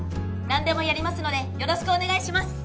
何でもやりますのでよろしくお願いします